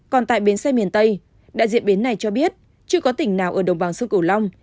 còn tại bến xe miền tây đại diện bến này cho biết chưa có tỉnh nào ở đồng bằng sông cửu long